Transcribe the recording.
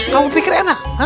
kamu pikir enak